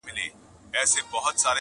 پخوانيو زمانو كي يو لوى ښار وو٫